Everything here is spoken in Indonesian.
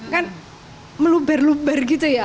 kan meluber luber gitu ya